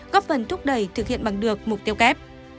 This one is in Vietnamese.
góp phần thúc đẩy thực hiện bằng được mục tiêu kép